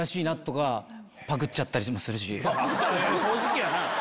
正直やな。